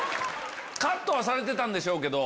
カットはされてたんでしょうけど